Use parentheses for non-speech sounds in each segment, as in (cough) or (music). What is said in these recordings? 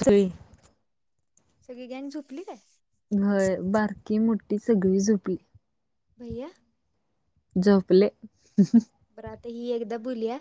जुई सगळी गँग झोपली काय? होय बारकी मोठी सगळी झोपली. भैया? झोपले. बरं आता ही एकदा बोलूया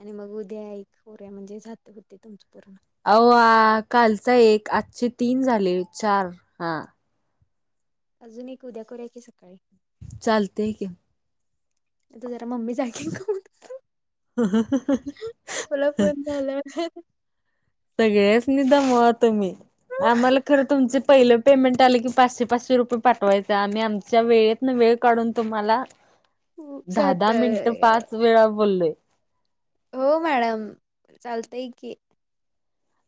आणि मग उद्या एक होऱ्या म्हणजे सात होते तुमचं पूर्ण. अव्वा! कालचा एक आजचे तीन झाले चार हा. अजून एक उद्या करूया की सकाळी. चालतय की. तीथं जरा मम्मी जागींयका बघतो. आपला फोन झाल्यावर सगळ्यासनीच दमवा तुम्ही. आम्हाला खरं तुमचे पहिलं पेमेंट आले की पाचशे पाचशे रुपये पाठवायचं आम्ही आमच्या वेळेत न वेळ काढून तुम्हाला हो दहा दहा मिनिटं साताय पाच वेळा बोललोय. हो मॅडम चालतय की.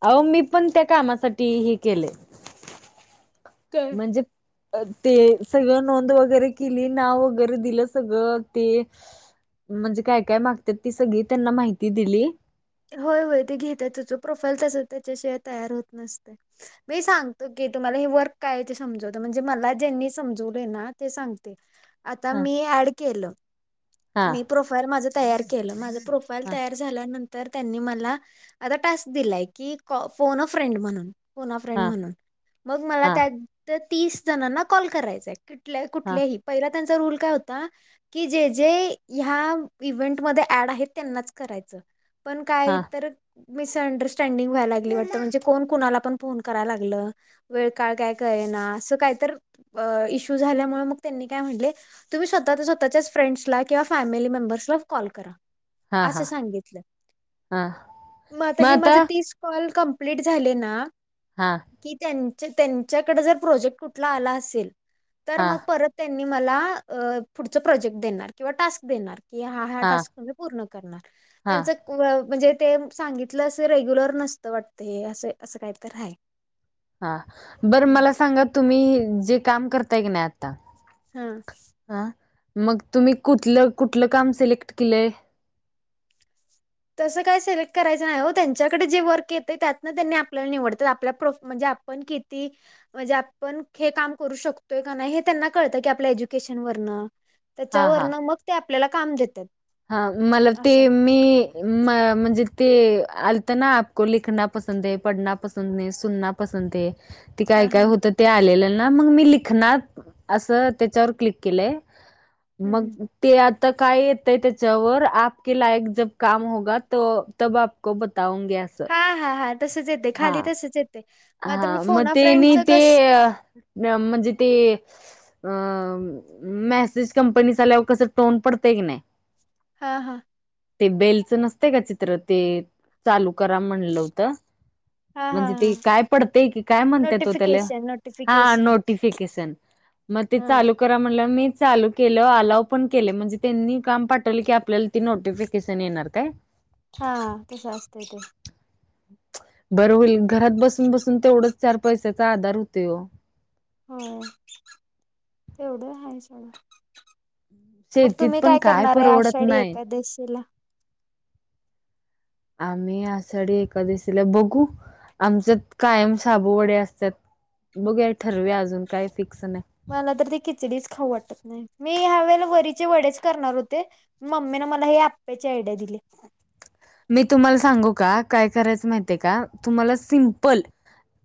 अहो मी पण त्या कामासाठी हे केलय. काय म्हणजे ते सगळं नोंद वगैरे केली. नाव वगैरे दिलं. सगळं ते - - म्हणजे काय काय मागतात. ती सगळी त्यांना माहिती दिली. होय होय ते घेत्यातच प्रोफाईल त्याच त्याच्याशीवाय तयार होत नसतय. मी सांगतो की. तुम्हाला हे वर्क काय हाय ते समजवतो म्हणजे मला ज्यांनी समजवलय ना ते सांग आता हा मी ॲड केल हा मी प्रोफाईल माझ तयार केल माझं प्रोफाईल हा तयार झाल्यानं तर त्यांनी मला आता टास्क दिलाय की क फोन अ फ्रेंड म्हणून. फोन अ फ्रेंड हा म्हणून मग मला हा त्या - त्या तीस जणांना कॉल करायचय. कुठल - हा कुठल्याही पहिला त्यांचा रूल काय होता. की जे जे ह्या इव्हेंटमध्ये ऍड आहेत त्यांनाच करायचं. पण काय हा तर मिसअंडरस्टँडिंग व्हायला लागली वाटत. म्हणजे कोण कुणाला पण फोन करायला लागलं. वेळ काळं कायं कळेना असं कायं तरं अं इशूं झाल्यांमुळे मगं त्यांनी कायं म्हंनले. तुम्हीं स्वंतः स्वंतःचं फ्रेंड्सलां किंवा फॅमिली मेंबर्सला कॉल करां. हां कां हां. मगं आंता हे माझे तीस कॉल कंम्प्लीट झाले नां हां की त्यां त्यांच्याकडे जरं प्रोजेक्ट कुंठला आंला असेल तरं हा मगं परंत त्यांनी मलां पुढचं प्रोजेक्ट देणारं किंवा टास्कं देणारं की हां हां हा टास्कं म्हणजे पूर्ण करणारं हा त्यांचं व म्हणजे ते सांगितलं असं रेग्युंलर नसतं वाटतं हे असं असं कांहीं तरं हांय. हां बरं मलां सांगा तुम्हीं जे कामं करतांय की नांय आंता हां. हां मगं तुम्हीं कुंठलं कुंठलं कामं सिलेक्ट केलंय. तसं काय सिलेक्ट करायचं नाही हो त्यांच्याकडेच जे वर्क येतंय त्यांतनं त्यांनी आपल्याला निवडतांत आपल्या प्रूफ म्हणजे आपं पणं किती, म्हणजे आपणं हे कामं करूं शकतोय कां नाहीं हे त्यांना कळतं की आपल्या एज्युकेशन वरनं. हा हा त्यांच्यावरण मगं ते आपल्यांला कामं देत्यांत. हां मलां ते मी मं म्हणजे ते आलतनां आपको लिखना पसंद है पडना पसंद है सुननां पसंतये ती हां कायं हां कायं हुतं ते आलेलं नां मगं मी लिखणांत असं त्यांच्यावर क्लिक केलंय. हं हं. मगं ते आंता कायं ये तयं त्यांच्यावर आपकी लायक जबं कामं होगां तो तबं आपको बताऊंगी असं हां हां हां तसंच येतंय खाली हां, तसंच येतंय. हां मगं तेनी ते अं म्हणजे ते अं मेसेज कंपनीस आल्यांवर कसं टोन पडतंय की नांय. हां हां ते बेलचं नसंतय कां चित्रं ते चालूं करां म्हणलं व्हतं. हां, म्हणजे हां, ते हां. कायं पडतंय की कायं म्हणत्यांत ओ त्यांला, नोटिफिकेशन, हां नोटिफिकेशन. नोटीफिकेशन मगं ते हां, चालूं करां म्हणल्यांवर मी चालूं केलं अलांव पणं केलं म्हणजे त्यांनी कामं पाठवलं की आपल्यांला ती नोटिफिकेशन येणारं कायं. हां तसं असतंय ते. बरं होईल घरांत बसूंन बसूंन तेवढांच चार पैशाचा आंधार होतोय हो. हो तेवढं हांय सोंडा. मगं शेतीत तुम्हीं पण कायं काय करणारं हांय परवडत आषाढी नाही एकादशीला? आम्ही आषाडी एकांदशीला बघूं आमच्यांत कायंम साबूंवडे असत्यांत बघुंया ठरवूंया अजूंन कायं फिक्सं नांय. मलां तरं ते खिचडीच खाऊं वाटतं न्हांय. मी ह्यां वेळेलां वरीचे वडेच करणारं होते मम्मीने मलां हे आपप्यांचे आयडिया दिली. मी तुम्हांला सांगू कां कायं करायचं माहितीय कां तुम्हांला हं, सिमपल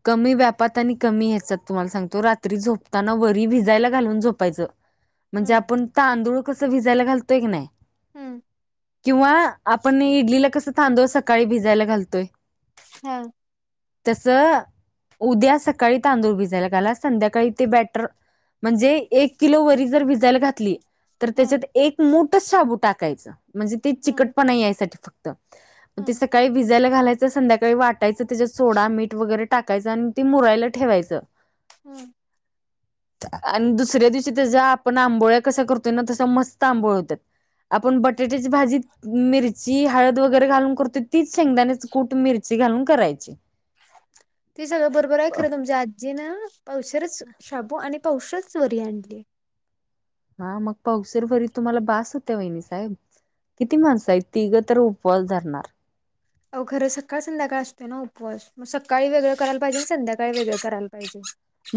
कमी व्यापांत आणि कमी ह्यांच्यात तुम्हांला सांगतो रात्री झोपतांना वरी भिजांयला घालूंन झोपायचं. म्हणजे हं, आपणं तांदूळ कसं भिजायला घालतोय की न्हांय. हम्मं किंवा आपणं इडलीला कसं तांदूळ सकाळीं भिजांयला घालतोय. हो तस उद्या सकाळी तांदूळ भिजायला घाला संध्याकाळी ते बॅटर म्हणजे एक किलो वरी जर भिजायला घातली तर हां, त्याच्यात एक मुटच शाबू टाकायचं म्हणजे ते चिकट हां, पणा यायसाठी फक्त. ते हां, सकाळी भिजत भिजायला घालायचं संध्याकाळी वाटायचं त्याच्यात सोडा, मीठ वगैरे टाकायचं आणि ते मुरायला ठेवायचं. हम् आणि दुसऱ्या दिवशी त्याज्या आपण आंबोळ्या कस करतोय ना तस मस्त आंबोळ्या होत्यात. आपण बटाट्याची भाजीत मिरची, हळद वगैरे घालून करतोय तीच शेंगदाणेच कुठ, मिरची घालून करायची. ते सगळं बरोबर आहे खरं तुमच्या आजीनं पावशेरच शाबू आणि पावशेरच वरी आणली आहे. हा मग पावशेर वरी तुम्हाला बास होत्या वहिनीसाहेब. किती माणसं आहेत तिघं तर उपवास धरणार. आओ खरं सकाळ संध्याकाळ असतोय ना उपवास. मग सकाळी वेगळं करायला पाहिजे आणि संध्याकाळी वेगळं करायला पाहिजे.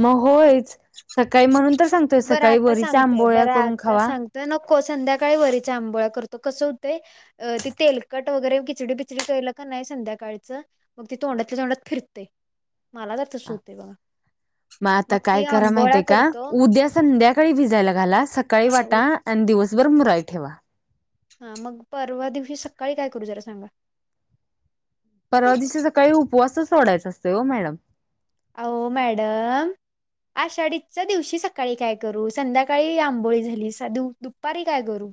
मग होयच सकाळी म्हणून तर सांगतोय बरं सकाळी आता वरीच्या सांगते आंबोळ्या बरं करून आता खावा. सांगतोय नको संध्याकाळी वरीच्या आंबोळ्या करतो कसं होतंय अ ते तेलकट वगैरे खिचडी बिचडी केलं कनय संध्याकाळच मग ते तोंडातल्या तोंडात फिरतय. मग आता मग ती काय करा माहित आंबोळ्या आहे का करतो उद्या संध्या काळी सकाळी भिजायला घाला सकाळी हा उ- वाटा आणि दिवसभर मुराई ठेवा. हा मग परवा दिवशी सकाळी काय करू जरा सांगा? परवा दिवशी सकाळी उपवासच सोडायचा असतोय ओ मॅडम आहो मॅडम आषाढीच्या दिवशी सकाळी काय करू संध्याकाळी आंबोळी झाली साध दु दुपारी काय करू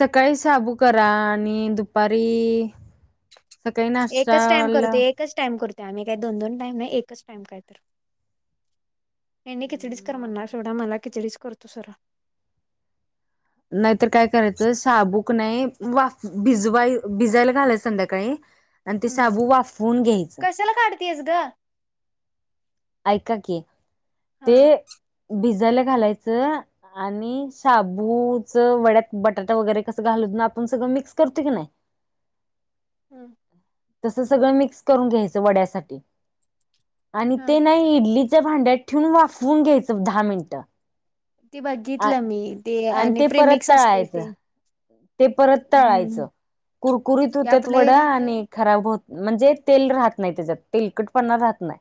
सकाळी शाबू करा आणि दुपारी सकाळी एकच टाइम नाष्टाला करतोय एकच टाईम करतोय आम्ही काय दोन दोन टाईम एकच टाइम कायतर. हेनी खिचडीच कर मग म्हणणार सोडा मला खिचडीच करतो सरळ. नाहीतर काय करायचं शाबू कनय वाफ भिजवाय भिजायला घालाय संध्याकाळी आणि ते हम्म शाबू वाफवून घ्यायचं कशाला काढतीयेस ग? ऐका की हा ते भिजायला घालायचं आणि शाबूच वड्यात बटाटा वगैरे कसं घालून आपण सगळं मिक्स करतोय कनय (unintelligible) हम्म तस सगळं मिक्स करून घ्यायचं वड्यासाठी. आणि हा ते नाही इडलीच्या भांड्यात ठेवून वाफवून घ्यायचं दहा मिनटं. ते बघितलं मी ते आणि ते परत प्रीमिक्स असूतय तळायचं ते. ते परत हम्म तळायचं कुरकुरीत ॲप होत्यात वड लय नाही आणि खराब होत म्हणजे तेल राहत नाही त्याच्यात तेलकटपणा राहत नाही.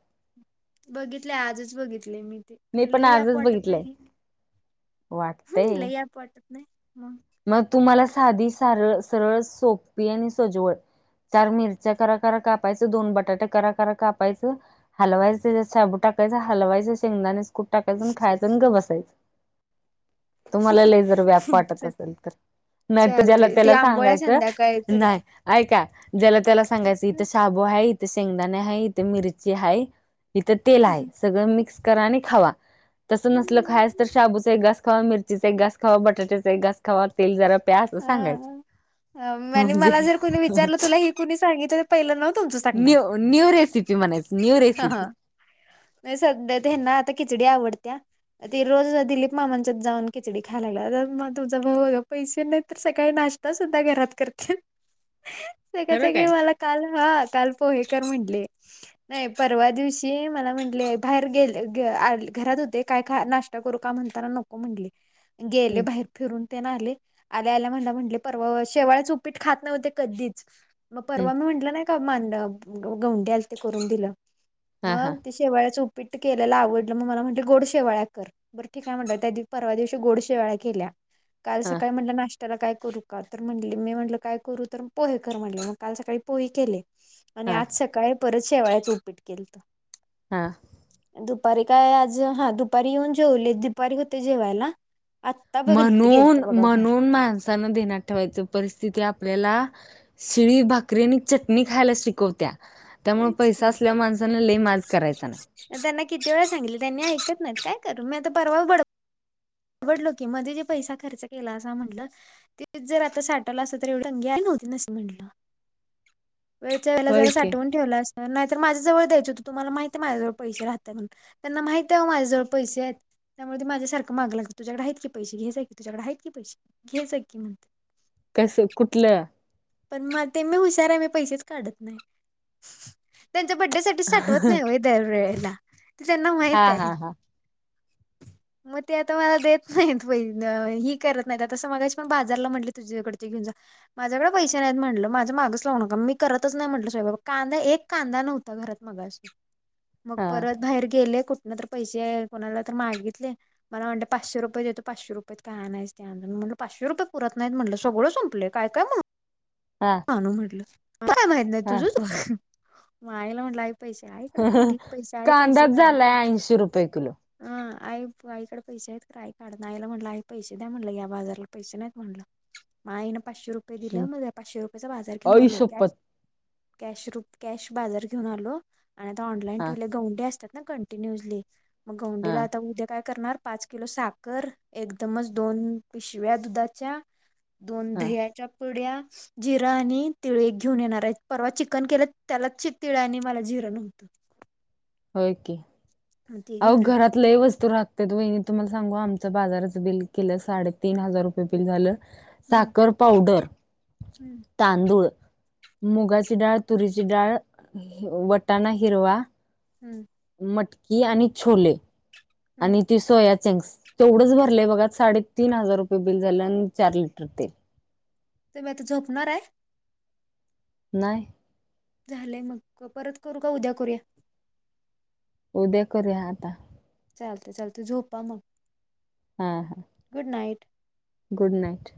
बघितलय आजच बघितलय मी ते मी खर पण लय याप आजच वाटत नाही बघितलंय हे वाटतंय ॲप वाटत नाही मग मग तुम्हाला साधी सारळ सरळ सोपी आणि सोजवळ चार मिरच्या कराकरा कापायचं दोन बटाटे कराकरा कापायचं हालवायंच तेज्यात शाबू टाकायच हालवायच शेंगदाण कुठ टाकायच खायचं अन् गप्प बसायचं तुम्हाला जर लय व्याप वाटतं चल असेल तर नाही तर ज्याला- चालतय ती त्याला आंबोळ्या सांगायचं. संध्याकाळी नाही करतो ऐका, ज्याला -त्याला सांगायचं इथं शाबू हाय, इथे शेंगदाणे हाय, इथे मिरची हाय इथं तेल हाय. सगळं मिक्स करा आणि खावा. तसं नसलं खायच तर, शाबूचा एक घास खावा, मिरचीचा एक घास खावा, बटाट्याचा एक घास खावा. तेल जरा प्या असं सांगायचं. हा आणि म्हणजे मला जर कोणी विचारलं तुला हे कुणी सांगितलं, ते पहिलं नाव तुमचं सांगणार. न्यू न्यू रेसिपी म्हणायचं, न्यू हा रेसिपी. नाही सध्या हेना आता खिचडी आवडत्या. ते रोज जर दिलीप मामांच्यात जाऊन खिचडी खाय लागलाय, तर मग तुझा भाऊ पैसे नाही तर सकाळी नाश आता सुद्धा घरात करत्यात. सगळे खरं -सगळे काय? मला काल हा, काल पोहे कर म्हटले. नाही परवा दिवशी मला म्हंटले, बाहेर गेले घरात होते काय का नाश्ता करू का म्हणताना नको म्हले, गेले हम्म बाहेर. फिरून तेन आले, आल्या- आल्या मला म्हटले परवा शेवाळ्याच उपीट खात नव्हते कधीच. मग हम्म परवा मी म्हंटलं नाही का, मांड, गवंडी आलते करून दिलं. हा हा मग ते शेवाळ्याच उपीट केलेला आवडलं, मग मला म्हटले गोड शेवाळ्या कर. बरं ठीक हाय म्हटल त्या परवा दिवशी गोड शेवाळ्या केल्या. काल हा सकाळी म्हटलं नाश्त्याला काय करू का? तर म्हटले मी म्हटलं काय करू? तर पोहे कर म्हटले, मग काल सकाळी पोई केले आणि हा आज सकाळी परत शेवाळ्यात उपीट केलंत. हा. दुपारी काय आज, हा दुपारी येऊन जेवले, दुपारी होते जेवायला आ म्हणून, म्हणून माणसान ध्येनात ठेवायच परिस्थिती आपल्याला शिळी भाकरी आणि चटणी खायला शिकवत्या. त्यामुळे होयच पैसा की असल्यावर माणसाण लई माज करायचा नाही. त्यांना किती वेळ सांगितले, त्यांनी ऐकत नाही काय करू मी आता परवा बड डलो कि मध्ये जो पैसा मध्ये जे पैसा खर्च केलासा म्हटलं. ते जर आता साठवल असत तर, एवढी तगी आली नव्हती, नसती म्हंटलं. वेळच्या, वेळेला होय जरा की साठवून ठेवलास. नाही तर माझ्याजवळ दयाच होत, तुम्हाला माहिती हाय माझ्याजवळ पैसे राहत्या म्हणून. त्यांना माहित आहे वो माझ्याजवळ पैसे आहेत, त्यामुळ ते माझ्या सारख माग लागलं, तुझ्याकडे आहेत की पैशे, घे जा की तुझ्याकडे आहेत की पैशे, घे जा की म्हणतोय. कस कुठलं? पण मग ते मी हुशार आहे मी पैसेच काढत नाही, त्यांच्या बडेसाठी साठवत नाही व्हय दरवेळेला, ते त्यांना हा माहित हाय. हा हा मग ते आता मला देत नाहीत वयन ही करत नाही आता तसं पण बाजारला म्हटले तुझ्याकडचे घेऊन जा. माझ्याकडे पैसे नाहीत म्हटलं, माझं मागच लागु नका, मी करतच नाही म्हटलं, स्वयंपाक कांदा एक कांदा नव्हता घरात मगाशी. मग हा परत बाहेर गेले, कुठन तर पैसे कोणाला तर मागितले. मला म्हणते पाचशे रुपय देतो, पाचशे रुपयात काय आणायचं ते आण, मी म्हटलं पाचशे रुपये पुरतं नाही म्हटलं सगळं संपलंय काय -काय हा. म्हटल, काय माहीत नाही तुझ हा. तू बघ, म आईला म्हटलं पैसे हाईत? कांदाच झालाय, ऐंशी रुपये किलो. आं. आई आईकड पैसे आहेत आई काढना, आईला म्हटलं आई पैसे द्या म्हणलं, या बाजारला पैसे नाहीत म्हणलं. म आईन पाचशे रुपये दिलं, म, पाचशे रुपयचा बाजार घेऊन आई आलो. कॅश शपथ कॅश, रूप कॅश बाजार घेऊन आलो आणि आता ऑनलाइन हा ठेवलंय, गवंडी असत्यात ना कॉन्ट न्यूजले मग हा गवंडीला आता उद्या काय करणार पाच किलो साखर एकदमच दोन पिशव्या दुधाच्या, दोन हा दह्याच्या पुढ्या जिरां आणि तिळे एक घेऊन येणार आहेत परवा चिकन केलं त्याला तिळ आणि मला जिरं नव्हतं. होय की ते आव घेऊन येतोय घरात लै वस्तू रात तेत वहिनी तुम्हाला सांगू आमचं बाजाराचं बिल केलं साडेतीन हजार रुपये बिल झालं. हम्म साखर, पावडर हम्म तांदूळ, मुगाची डाळ, तुरीची डाळ, वटाणा हिरवा हम्म. मटकी आणि छोले आणि हम्म ती सोया चंक्स तेवढंच भरलेय बघा साडेतीन हजार रुपये बिल झालं अन् चार लिटर तेल. तुम्ही आता झोपणार आहे? नाही. झालंय मग परत करू का उद्या करूया? उद्या करूया आता. चालतय चालतय झोपा मग. हा हा. Good night. Good night.